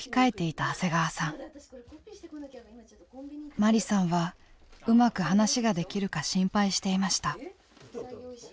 まりさんはうまく話ができるか心配していました。